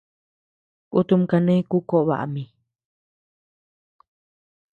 Kutum kane ku koʼo baʼa mi.